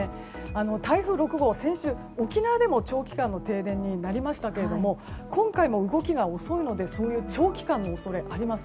台風６号は先週、沖縄でも長期間の停電になりましたが今回も動きが遅いので長期間の恐れがあります。